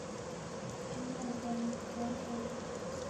金太宗天会九年。